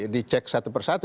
dicek satu persatu